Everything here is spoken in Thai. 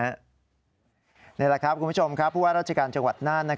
นี่แหละครับคุณผู้ชมครับผู้ว่าราชการจังหวัดน่าน